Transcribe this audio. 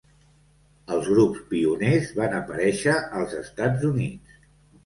Els grups pioners van aparèixer als Estats Units.